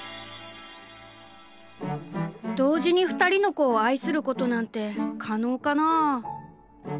「同時に２人の子を愛することなんて可能かなあ」。